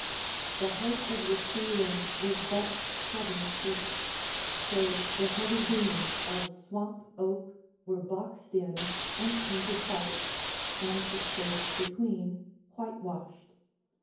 The height of the ceiling was but seven feet; so the heavy beams of swamp oak were boxed in and painted white, and the space between whitewashed.